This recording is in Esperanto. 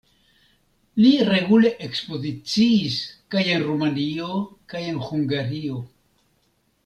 Li regule ekspoziciis kaj en Rumanio kaj en Hungario.